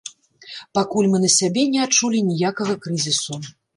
Пакуль мы на сябе не адчулі ніякага крызісу.